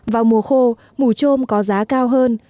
vào mùa khô mủ trôm có giá cao hơn